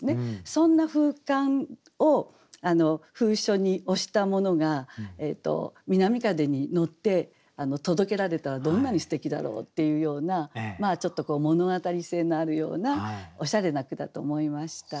そんな封緘を封書に押したものが南風に乗って届けられたらどんなにすてきだろうっていうようなちょっと物語性のあるようなおしゃれな句だと思いました。